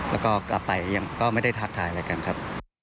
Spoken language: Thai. แล้วก็กลับไปยังก็ไม่ได้ทักทายอะไรกันครับ